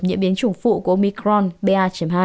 nhiễm biến chủng phụ của omicron ba hai